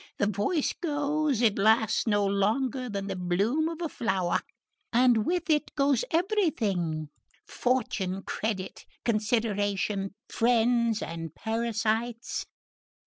The voice goes it lasts no longer than the bloom of a flower and with it goes everything: fortune, credit, consideration, friends and parasites!